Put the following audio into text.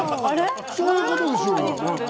そういうことでしょ？